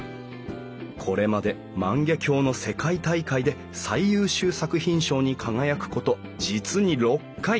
これまで万華鏡の世界大会で最優秀作品賞に輝くこと実に６回。